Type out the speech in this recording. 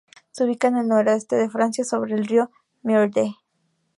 Se ubica en el noreste de Francia, sobre el río Meurthe.